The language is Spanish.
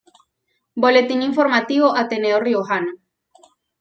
Boletín Informativo Ateneo Riojano.